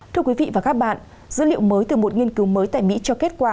thưa quý vị và các bạn dữ liệu mới từ một nghiên cứu mới tại mỹ cho kết quả